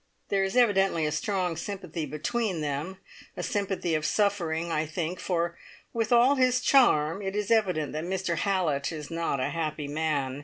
There is evidently a strong sympathy between them a sympathy of suffering, I think, for with all his charm, it is evident that Mr Hallett is not a happy man.